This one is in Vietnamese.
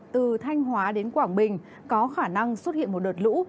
từ thanh hóa đến quảng bình có khả năng xuất hiện một đợt lũ